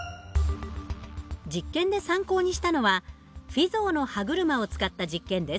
実験で参考にしたのはフィゾーの歯車を使った実験です。